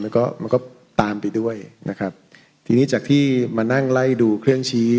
แล้วก็มันก็ตามไปด้วยนะครับทีนี้จากที่มานั่งไล่ดูเครื่องชี้